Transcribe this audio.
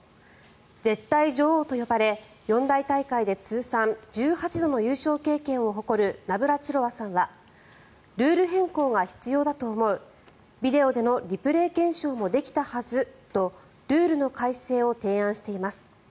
絶対女王と呼ばれ、四大大会で通算１８度の優勝経験を誇るナブラチロワさんはルール変更が必要だと思うビデオでのリプレー検証もできたはずとルールの改正を提案しています。